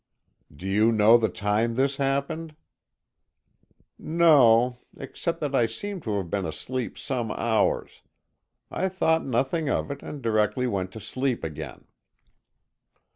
"Do you know the time this happened?" "No, except that I seemed to have been asleep some hours. I thought nothing of it, and directly went to sleep again."